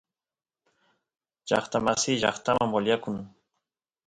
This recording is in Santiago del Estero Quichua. llaqtamasiy llaqtaman voliyakun